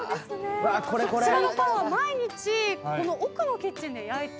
こちらのパンは毎日この奥のキッチンで焼いており。